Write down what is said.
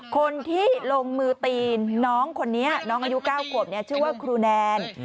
คนที่ลงมือตีน้องคนนี้น้องอายุ๙ขวบชื่อว่าครูแนน